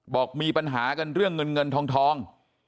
บอกมีปัญหากันเรื่องเงินเงินทอง